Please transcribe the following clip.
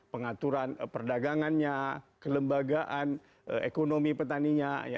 pengaturan perdagangannya kelembagaan ekonomi petaninya